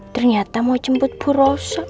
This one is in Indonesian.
ternyata mau jemput bu roso